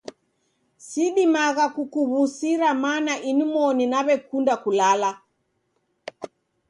Sidimagha kukuw'usira mana inmoni naw'ekunda kulala.